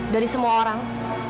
dari semua orang